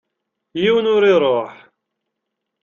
Yiwen ur iṛuḥ.